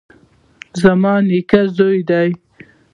زما نیکه زوړ دی